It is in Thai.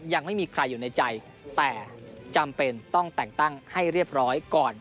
ยังไม่มีใครอยู่ในใจแต่จำเป็นต้องแต่งตั้งให้เรียบร้อยก่อน